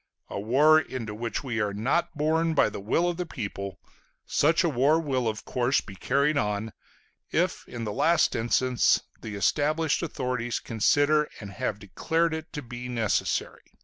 A war into which we are not borne by the will of the people such a war will of course be carried on, if in the last instance the established authorities consider and have declared it to be necessary.